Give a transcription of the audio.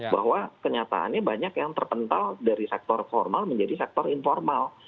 bahwa kenyataannya banyak yang terpental dari sektor formal menjadi sektor informal